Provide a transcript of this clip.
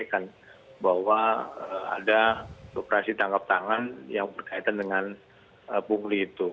mengatakan bahwa ada operasi tangkap tangan yang berkaitan dengan pungli itu